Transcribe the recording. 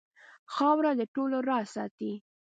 خاوره د ټولو راز ساتي.